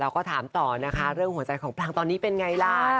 ก็ถามต่อนะคะเรื่องหัวใจของปรางตอนนี้เป็นไงล่ะ